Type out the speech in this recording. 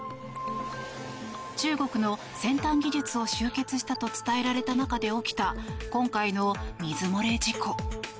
中国の先端技術を集結したと伝えられた中で起きた今回の水漏れ事故。